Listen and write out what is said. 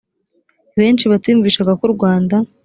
benshi batiyumvishaga ko u rwanda